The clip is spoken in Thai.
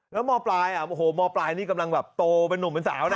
แล้วมปลายอ่ะโอ้โหมปลายนี่กำลังแบบโตเป็นนุ่มเป็นสาวนะ